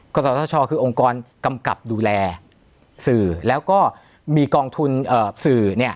กรสัตว์ท่าชอคือองค์กรกำกับดูแลสื่อแล้วก็มีกองทุนเอ่อสื่อเนี้ย